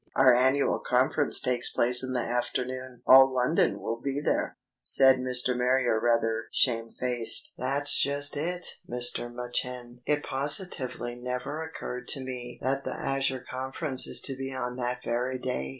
Our annual conference takes place in the afternoon. All London will be there." Said Mr. Marrier rather shamefaced: "That's just it, Mr. Machin. It positively never occurred to me that the Azure Conference is to be on that very day.